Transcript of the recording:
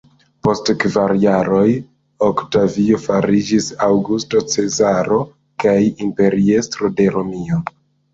Post kvar jaroj, Oktavio fariĝis Aŭgusto Cezaro kaj imperiestro de Romio.